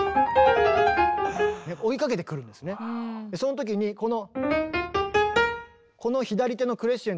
その時にこの。